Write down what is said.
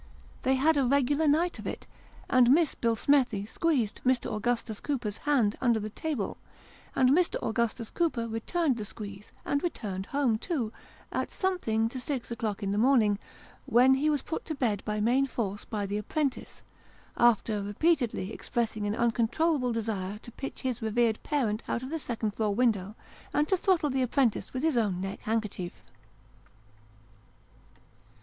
They had a regular night of it ; and Miss Billsmethi squeezed Mr. Augustus Cooper's hand under the table ; and Mr. Augustus Cooper returned the squeeze, and returned home too, at something to six o'clock in the morning, when he was put to bed by main force by the apprentice, after repeatedly expressing an uncontrollable desire to pitch his revered parent out of the second floor window, and to throttle the apprentice with his own neck handkerchief.